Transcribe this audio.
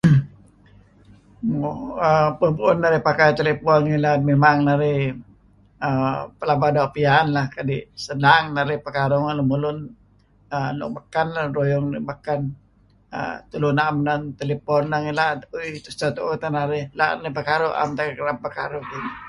{er]mo puun-puun narih pakai telephone inih ngilad mimang narih pelaba doo' pian lah, kadi' senang narih pakaruh ngen lemulun nuk baken lun ruyung nuk baken. Tulu naem telephone nah ngilad ui tuseh tuuh teh narih la' narih pekaruh naem teh narih kereb pekaruh.